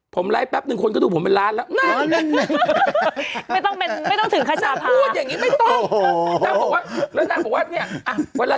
ผมไลจะแป๊บนึงคนก็ถูกผมเป็นล้านละ